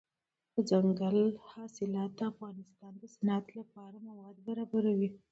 دځنګل حاصلات د افغانستان د صنعت لپاره مواد برابروي.